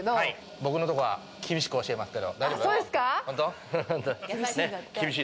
僕のとこは厳しく教えますけど大丈夫？